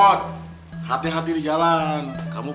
ada tapia kok sama gue nih rasanya